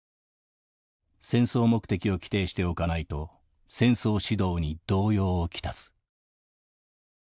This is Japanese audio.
戦争目的を規定しておかないと戦争指導に動揺を来す」。